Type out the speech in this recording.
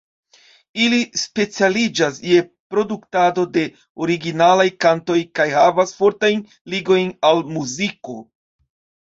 Ili specialiĝas je produktado de originalaj kantoj kaj havas fortajn ligojn al muziko.